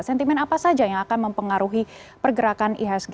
sentimen apa saja yang akan mempengaruhi pergerakan ihsg